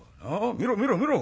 見ろ見ろ見ろ